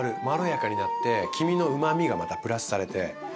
まろやかになって黄身のうまみがまたプラスされて。